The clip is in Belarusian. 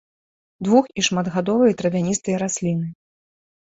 Двух- і шматгадовыя травяністыя расліны.